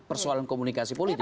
persoalan komunikasi politik